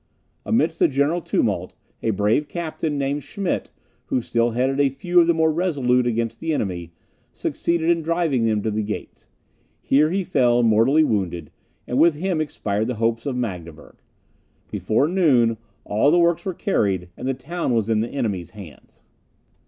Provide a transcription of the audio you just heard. Amidst the general tumult, a brave captain, named Schmidt, who still headed a few of the more resolute against the enemy, succeeded in driving them to the gates; here he fell mortally wounded, and with him expired the hopes of Magdeburg. Before noon, all the works were carried, and the town was in the enemy's hands.